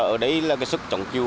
ở đây là sức trọng kiều